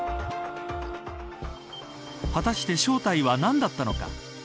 果たして正体は何だったのか。